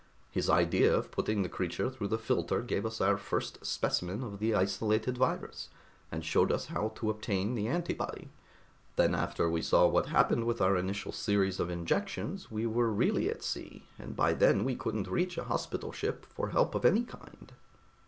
"His idea of putting the creature through the filter gave us our first specimen of the isolated virus, and showed us how to obtain the antibody. Then after we saw what happened with our initial series of injections, we were really at sea, and by then we couldn't reach a hospital ship for help of any kind."